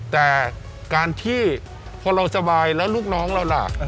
แต่การที่พอเราสบายแล้วลูกน้องเราล่ะ